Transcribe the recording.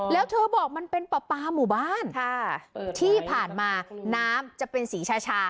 แล้วเธอบอกมันเป็นปลาปลาหมู่บ้านค่ะที่ผ่านมาน้ำจะเป็นสีชา